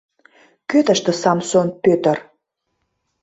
Кӧ тыште Самсон Пӧтыр?